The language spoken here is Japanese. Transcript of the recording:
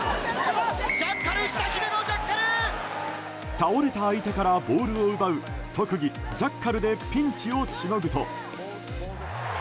倒れた相手からボールを奪う特技、ジャッカルでピンチをしのぐと。